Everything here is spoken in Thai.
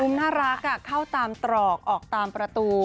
น่ารักเข้าตามตรอกออกตามประตู